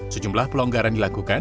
sejumlah pelonggaran dilakukan